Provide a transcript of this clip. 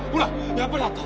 やっぱりあった。